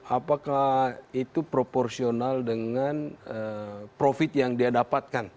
apakah itu proporsional dengan profit yang dia dapatkan